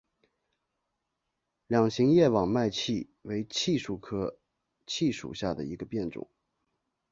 两型叶网脉槭为槭树科槭属下的一个变种。